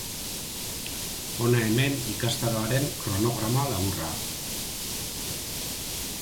Hona hemen ikastaroaren kronograma laburra.